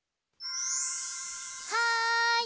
はい！